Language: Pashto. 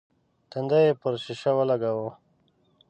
تندی يې پر ښيښه ولګاوه.